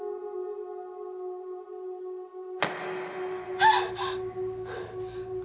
あっ！